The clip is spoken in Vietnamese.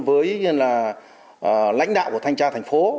với lãnh đạo của thanh tra thành phố